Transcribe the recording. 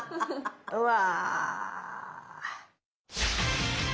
うわ。